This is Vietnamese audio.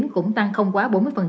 cũng tăng không quá bốn mươi